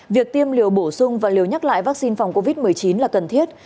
việc tiêm liều bổ sung và liều nhắc lại vaccine phòng covid một mươi chín là cần thiết